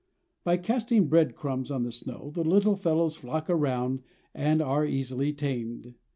By casting bread crumbs on the snow, the little fellows flock around, and are easily tamed.